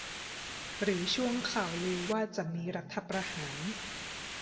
หรือช่วงข่าวลือว่าจะมีรัฐประหาร ?